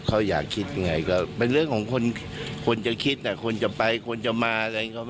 เขาอยากคิดยังไงก็เป็นเรื่องของคนจะคิดคนจะไปคนจะมา